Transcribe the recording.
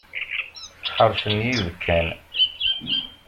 Ḥeṛcen yibekkan.